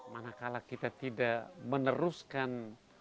manakala kita tidak meneruskan